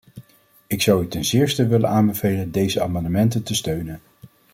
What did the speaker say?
Ik zou u ten zeerste willen aanbevelen deze amendementen te steunen.